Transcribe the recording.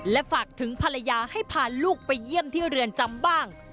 และฝากถึงภรรยาให้พาลูกไปเยี่ยมที่เรือนจำบ้าง